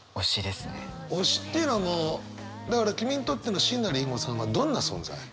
推しっていうのはもうだから君にとっての椎名林檎さんはどんな存在？